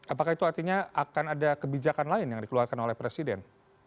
apakah itu artinya akan ada kebijakan lain yang dikeluarkan oleh presiden